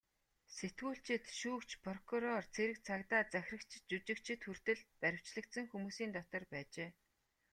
Сэтгүүлчид, шүүгч, прокурор, цэрэг цагдаа, захирагчид, жүжигчид хүртэл баривчлагдсан хүмүүсийн дотор байжээ.